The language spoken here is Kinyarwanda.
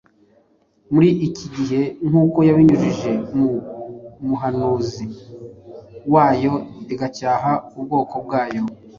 muri iki gihe nk’uko yabinyujije mu muhanuzi wayo igacyaha ubwoko bwayo